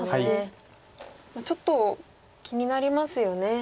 ちょっと気になりますよね。